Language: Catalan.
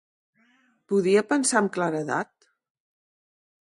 Podia pensar amb claredat?